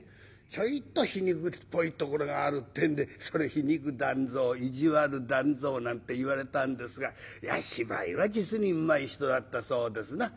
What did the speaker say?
ちょいと皮肉っぽいところがあるってんでそれ皮肉団蔵意地悪団蔵なんて言われたんですが芝居は実にうまい人だったそうですな。